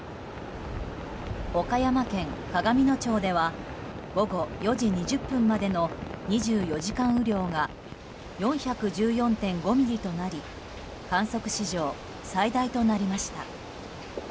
岡山県鏡野町では午後４時２０分までの２４時間雨量が４１４．５ミリとなり観測史上最大となりました。